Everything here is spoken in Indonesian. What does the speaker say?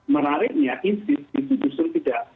menariknya isis itu justru tidak